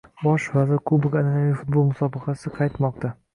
«Bosh vazir kubogi» an’anaviy futbol musobaqasi qaytmoqdang